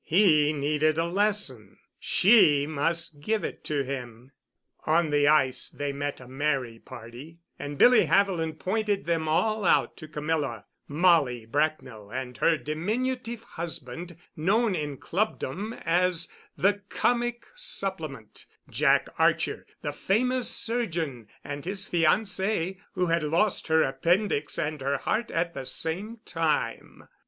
He needed a lesson. She must give it to him. On the ice they met a merry party, and Billy Haviland pointed them all out to Camilla—Molly Bracknell and her diminutive husband, known in clubdom as the "comic supplement"; Jack Archer, the famous surgeon, and his fiancée, who had lost her appendix and her heart at the same time.